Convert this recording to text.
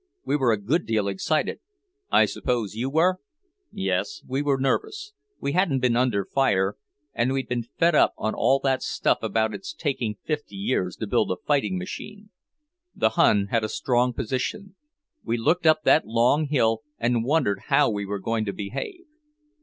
We were a good deal excited; I suppose you were?" "Yes, we were nervous. We hadn't been under fire, and we'd been fed up on all that stuff about it's taking fifty years to build a fighting machine. The Hun had a strong position; we looked up that long hill and wondered how we were going to behave."